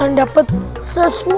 akan dapat sesuatu